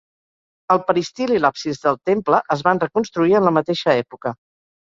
El peristil i l'absis del temple es van reconstruir en la mateixa època.